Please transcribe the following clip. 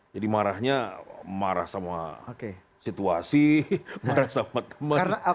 jadi marahnya marah sama situasi marah sama teman